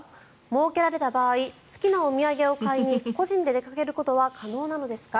設けられた場合好きなお土産を買いに個人で出かけることは可能なのですか？